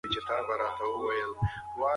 د کلي د غره سرونه په واورو پټ دي.